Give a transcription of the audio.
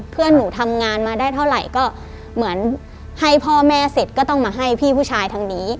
เพื่อนหนูทำงานมาได้เท่าไหร่ก็เหมือนให้พ่อแม่เสร็จก็ต้องมาให้พี่ผู้ชายทางนี้